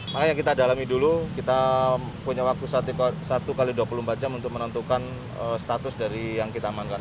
makanya kita dalami dulu kita punya waktu satu x dua puluh empat jam untuk menentukan status dari yang kita amankan